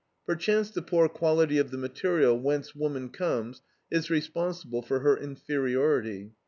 Perchance the poor quality of the material whence woman comes is responsible for her inferiority.